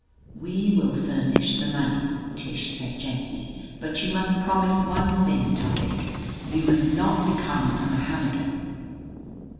"We will furnish the money," Tish said gently. "But you must promise one thing, Tufik. You must not become a Mohammedan."